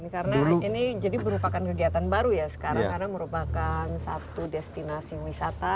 karena ini jadi merupakan kegiatan baru ya sekarang karena merupakan satu destinasi wisata